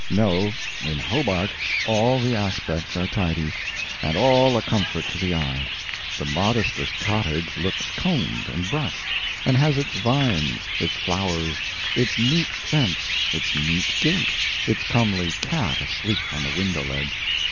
No, in Hobart all the aspects are tidy, and all a comfort to the eye; the modestest cottage looks combed and brushed, and has its vines, its flowers, its neat fence, its neat gate, its comely cat asleep on the window ledge.